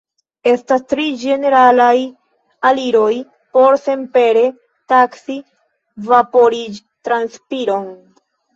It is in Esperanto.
Estas tri ĝeneralaj aliroj por senpere taksi vaporiĝ-transpiron.